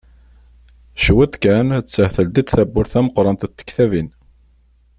Cwiṭ kan attah teldi-d tewwurt tameqqrant n tkebbanit.